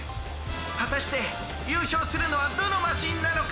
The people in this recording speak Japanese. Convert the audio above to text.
はたしてゆうしょうするのはどのマシンなのか！？